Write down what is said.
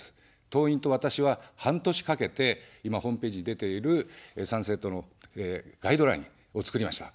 党員と私は、半年かけて、今、ホームページに出ている参政党のガイドラインを作りました。